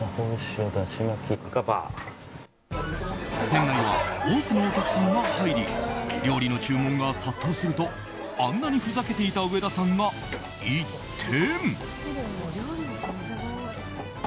店内には多くのお客さんが入り料理の注文が殺到するとあんなにふざけていた上田さんが一転。